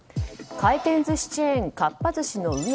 回転寿司チェーンかっぱ寿司の運営